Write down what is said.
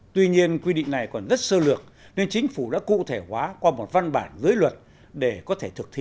tuy nhiên quy định này còn rất sơ lược nên chính phủ đã cụ thể hóa qua một văn bản giới luật để có thể thực thi